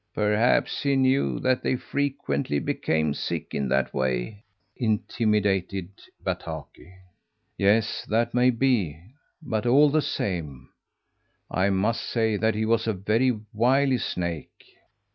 "Perhaps he knew that they frequently became sick in that way," intimated Bataki. "Yes, that may be; but all the same, I must say that he was a very wily snake."